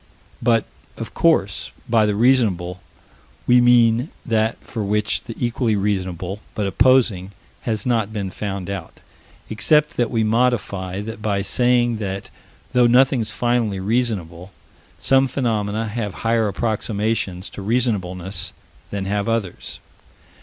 But, of course, by the reasonable we mean that for which the equally reasonable, but opposing, has not been found out except that we modify that by saying that, though nothing's finally reasonable, some phenomena have higher approximations to Reasonableness than have others.